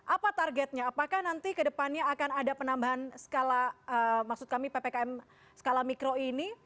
apa targetnya apakah nanti ke depannya akan ada penambahan skala maksud kami ppkm skala mikro ini